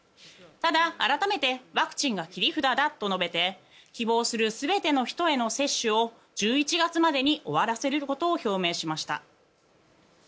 ただ、改めてワクチンが切り札だと述べて希望する全ての人への接種を１１月までに終わらせることを表明しました。